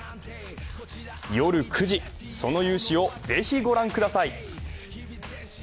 夜９時、その雄姿をぜひ御覧ください。